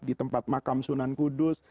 di tempat makam sunan kudus